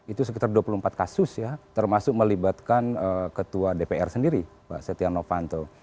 itu sekitar dua puluh empat kasus ya termasuk melibatkan ketua dpr sendiri pak setia novanto